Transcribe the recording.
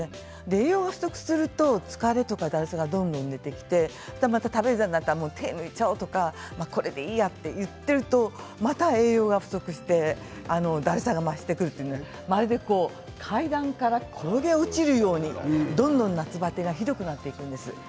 栄養が不足すると疲れとかだるさがどんどん出てきてまた食べるのに手を抜いてしまおうとかこれでいいやと言っているとまた栄養が不足してだるさが増してくるまるで階段から転げ落ちるような感じでどんどん夏バテがひどくなってくるんです。